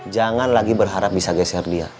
jangan lagi berharap bisa geser dia